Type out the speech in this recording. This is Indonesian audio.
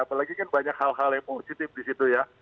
apalagi kan banyak hal hal yang positif di situ ya